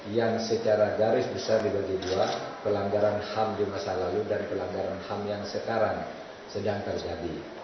yang secara garis besar dibagi dua pelanggaran ham di masa lalu dan pelanggaran ham yang sekarang sedang terjadi